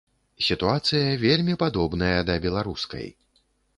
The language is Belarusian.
Сітуацыя вельмі падобная да беларускай.